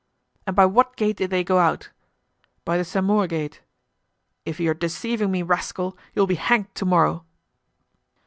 "And by what gate did they go out?" "By the Saint Maur gate." "If you are deceiving me, rascal, you will be hanged to morrow."